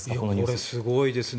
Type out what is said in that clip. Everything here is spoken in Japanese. これ、すごいですね。